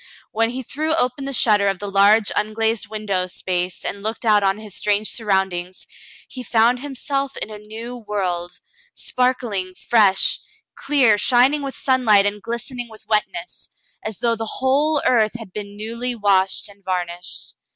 When he threw open the shutter of the large unglazed window space and looked out on his strange surroundings, he found himself in a new world, sparkling, fresh, clear, shining with sunlight and glistening with wetness, as though the whole earth had been newly washed and varnished.